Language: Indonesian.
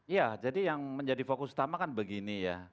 ya jadi yang menjadi fokus utama kan begini ya